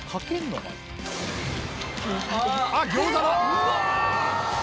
うわ！